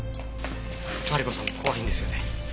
マリコさんも怖いんですよね？